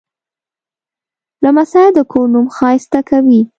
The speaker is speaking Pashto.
لمسی د کور نوم ښایسته کوي.